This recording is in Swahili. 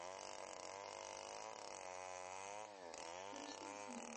Hali iliendelea hivyo hadi alipopata pikipiki kuelekea hoteli aliyofikia